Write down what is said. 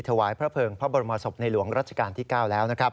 ถวายพระเภิงพระบรมศพในหลวงรัชกาลที่๙แล้วนะครับ